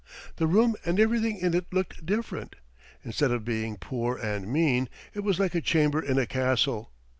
The room and everything in it looked different. Instead of being poor and mean, it was like a chamber in a castle.